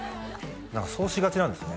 何かそうしがちなんですよね